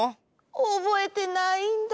おぼえてないんだ。